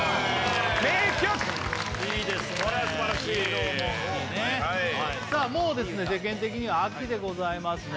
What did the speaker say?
これは素晴らしいもう世間的には秋でございますね